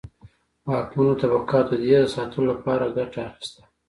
واکمنو طبقاتو د دې د ساتلو لپاره ګټه اخیسته.